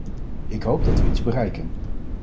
Ik hoop dat we iets bereiken.